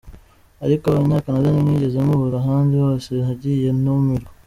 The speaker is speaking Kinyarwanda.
Ariko abanya Canada ntimwigeze mubura ahandi hose nagiye ntumirwa.